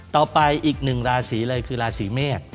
ต่อไปอีกหนึ่งราศีเลยคือราศีเมษ